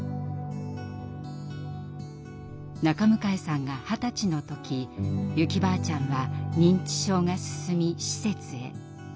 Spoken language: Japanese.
中迎さんが二十歳の時ユキばあちゃんは認知症が進み施設へ。